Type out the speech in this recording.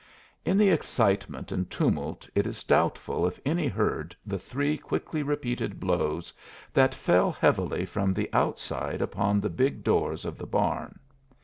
In the excitement and tumult it is doubtful if any heard the three quickly repeated blows that fell heavily from the outside upon the big doors of the barn.